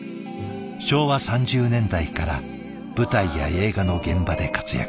昭和３０年代から舞台や映画の現場で活躍。